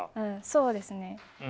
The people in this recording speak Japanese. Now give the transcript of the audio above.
そうですね。